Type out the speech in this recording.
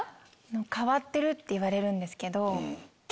変わってるって言われるんですけど。